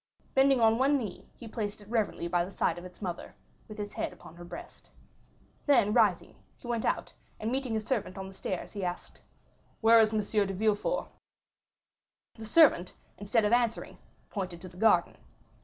Bending on one knee, he placed it reverently by the side of its mother, with its head upon her breast. Then, rising, he went out, and meeting a servant on the stairs, he asked: "Where is M. de Villefort?" The servant, instead of answering, pointed to the garden.